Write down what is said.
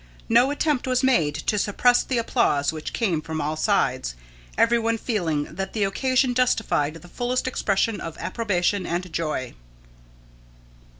No attempt was made to suppress the applause which came from all sides, every one feeling that the occasion justified the fullest expression of approbation and joy.